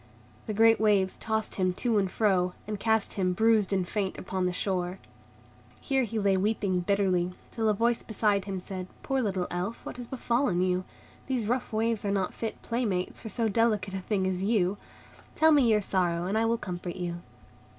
The great waves tossed him to and fro, and cast him bruised and faint upon the shore. Here he lay weeping bitterly, till a voice beside him said, "Poor little Elf, what has befallen you? These rough waves are not fit playmates for so delicate a thing as you. Tell me your sorrow, and I will comfort you."